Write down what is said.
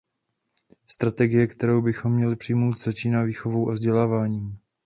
Strategie, kterou bychom měli přijmout, začíná výchovou a vzděláváním.